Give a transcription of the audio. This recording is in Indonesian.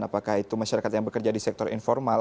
apakah itu masyarakat yang bekerja di sektor informal